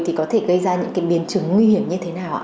thì có thể gây ra những cái biến chứng nguy hiểm như thế nào ạ